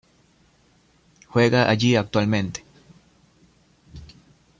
Juega allí actualmente.